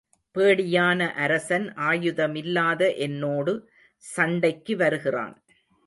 பேடியான அரசன் ஆயுதமில்லாத என்னோடு சண்டைக்கு வருகிறான்.